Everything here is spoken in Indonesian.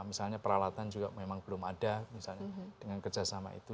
misalnya peralatan juga memang belum ada misalnya dengan kerjasama itu